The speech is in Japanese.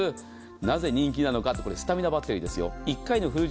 なぜ人気なのかといったらスタミナバッテリーです。